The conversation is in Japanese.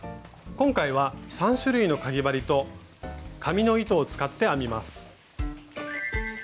今回は３種類のかぎ針と紙の糸を使って編みます。